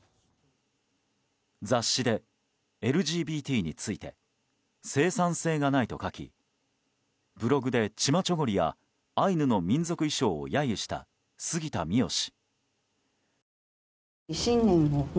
雑誌でＬＧＢＴについて生産性がないと書きブログで、チマチョゴリやアイヌの民族衣装を揶揄した杉田水脈氏。